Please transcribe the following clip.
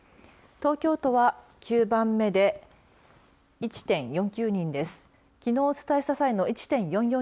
東京都は９番目で１．４９人です。